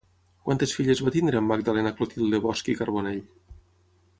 Quantes filles va tenir amb Magdalena Clotilde Bosch i Carbonell?